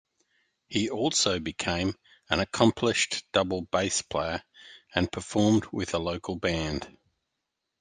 He also became an accomplished double bass player and performed with a local band.